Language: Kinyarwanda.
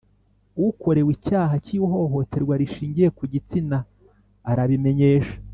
Ukorewe icyaha cy ihohoterwa rishingiye ku gitsina arabimenyesha